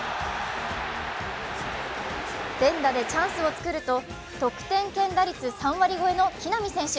連打でチャンスを作ると、得点圏打率３割超えの木浪選手。